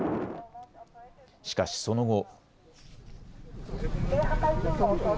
しかし、その後。